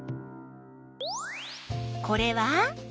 これは？